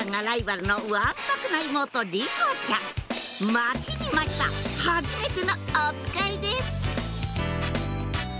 待ちに待ったはじめてのおつかいです